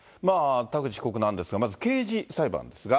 田口被告なんですが、まず刑事裁判ですが。